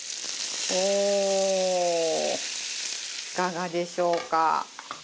いかがでしょうか？